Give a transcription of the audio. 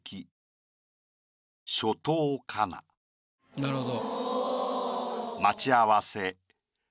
なるほど。